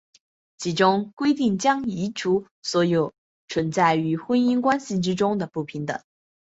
其中规定将移除所有存在于婚姻关系之间的不平等。